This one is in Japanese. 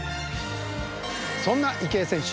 そんな池江選手